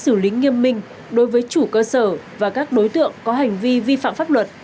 xử lý nghiêm minh đối với chủ cơ sở và các đối tượng có hành vi vi phạm pháp luật